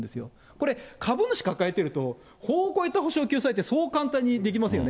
これ、株主抱えてると、法を超えた補償・救済ってそう簡単にできませんよね。